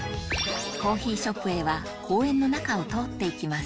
コーヒーショップへは公園の中を通っていきます